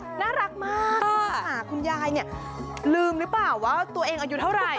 น่ารักมากคุณค่ะคุณยายเนี่ยลืมหรือเปล่าว่าตัวเองอายุเท่าไหร่